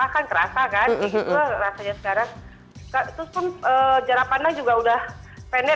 terus pun jarak pandang juga udah pendek